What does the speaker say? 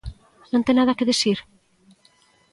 ¿Non ten nada que dicir?